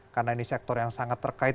karena ini sektor yang sangat terkait